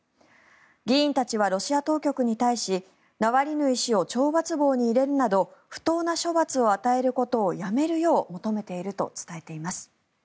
議員たちはロシア当局に対しナワリヌイ氏を懲罰房に入れるなど不当な処罰を与えることをやめるよう求めていると伝えています。